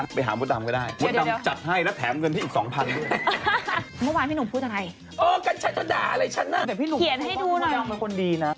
เขียนให้ดูหน่อยพี่หนุ่มพูดอย่างเป็นคนดีนะ